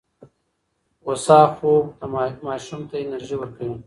هوسا خوب ماشوم ته انرژي ورکوي.